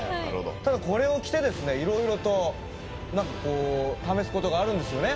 ただこれを着てですねいろいろと何か試すことがあるんですよね？